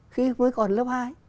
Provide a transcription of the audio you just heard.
khi mới còn lớp hai